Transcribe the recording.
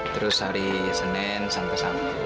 terus hari senin sampai sabtu